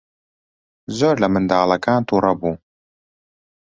زۆر لە منداڵەکان تووڕە بوو.